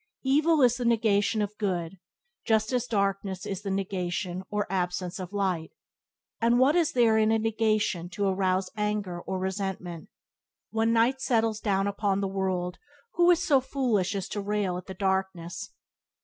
Evil is the negation of good, just as darkness is the negation, or absence of light, and what is there in a negation to arouse anger or resentment? When night settles down upon the world who is so foolish as to rail at the darkness?